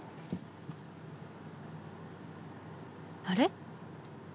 あれ？